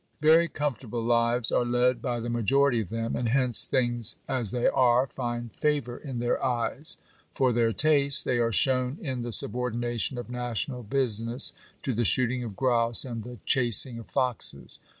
Very comfortable lives are led by the majority of them, and hence " things as they are" find favour in their eyes. For their tastes — they are shown in the subordination of na tional business to the shooting of grouse and the chasing of foxes.